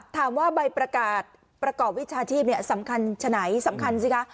ถามว่าใบประกาศประกอบวิชาชีพสำคัญฉะไหนสำคัญสิคะ